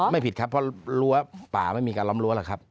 ไม่ผิดครับเพราะรั้วป่าไม่มีการล้อมรั้หรอกครับ